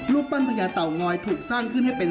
ปั้นพญาเต่างอยถูกสร้างขึ้นให้เป็น